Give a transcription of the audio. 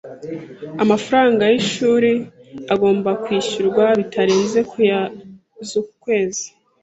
Amafaranga y'ishuri agomba kwishyurwa bitarenze ku ya z'uku kwezi.